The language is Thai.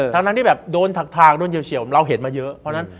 ทรงที่ด้วยทักทางเราเห็นมาเยอะ